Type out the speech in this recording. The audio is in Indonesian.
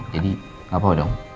jadi gak apa apa dong